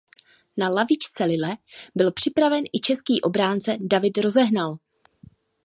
Na lavičce Lille byl připraven i český obránce David Rozehnal.